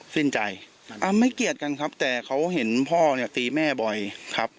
สิ้นใจอ่าไม่เกลียดกันครับแต่เขาเห็นพ่อเนี่ยตีแม่บ่อยครับ